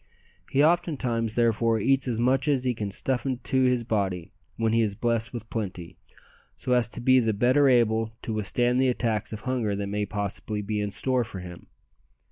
He oftentimes therefore eats as much as he can stuff into his body when he is blessed with plenty, so as to be the better able to withstand the attacks of hunger that may possibly be in store for him.